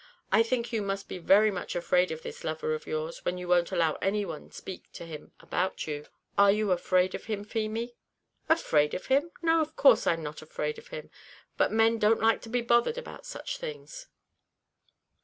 I think you must be very much afraid of this lover of yours, when you won't allow any one speak to him about you. Are you afraid of him, Feemy?" "Afraid of him? no, of course I'm not afraid of him; but men don't like to be bothered about such things."